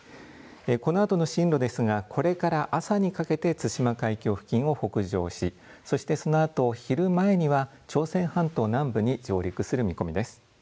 このあとの進路ですが、これから朝にかけて対馬海峡付近を北上しそして、そのあと昼前には朝鮮半島南部に上陸する見込みです。